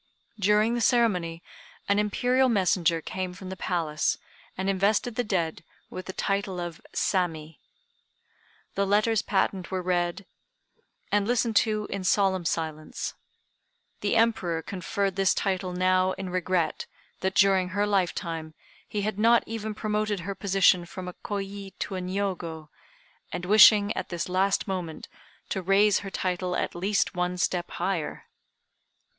During the ceremony, an Imperial messenger came from the Palace, and invested the dead with the title of Sammi. The letters patent were read, and listened to in solemn silence. The Emperor conferred this title now in regret that during her lifetime he had not even promoted her position from a Kôyi to a Niogo, and wishing at this last moment to raise her title at least one step higher.